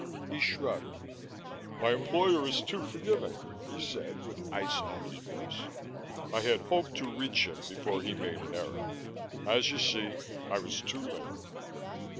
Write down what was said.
He shrugged. "My employer is too forgiving," he said, with ice on his voice. "I had hoped to reach him before he made an error. As you see, I was too late."